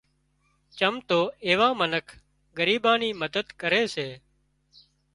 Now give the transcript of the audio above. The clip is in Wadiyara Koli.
چم تو ايوان منک ڳريٻان نِي مدد ڪري سي